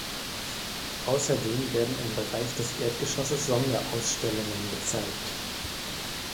Außerdem werden im Bereich des Erdgeschosses Sonderausstellungen gezeigt.